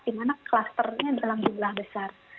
di mana klusternya dalam jumlah besar